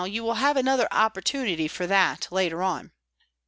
You will have another opportunity for that later on."